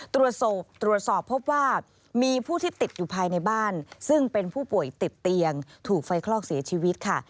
ตรวจสอบตรวจสอบพบว่ามีผู้ที่ติดอยู่ภายในบ้านซึ่งเป็นผู้ป่วยติดเตียงถูกไฟคลอกเสียชีวิตค่ะ